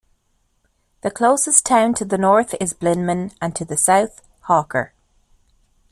The closest town to the north is Blinman and to the south, Hawker.